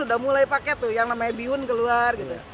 udah mulai pakai tuh yang namanya bihun keluar gitu